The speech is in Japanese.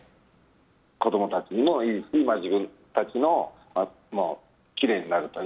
子供たちにもいいし自分たちもきれいになると。